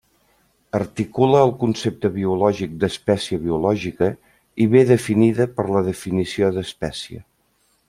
Articula el concepte biològic d'espècie biològica i ve definida per la definició d'espècie.